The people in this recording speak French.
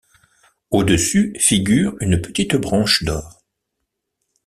Au-dessus figure une petite branche d'or.